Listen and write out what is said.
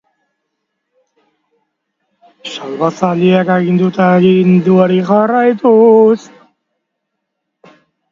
Proba gehiago egin dizkiote, eta emaitzen zain dago.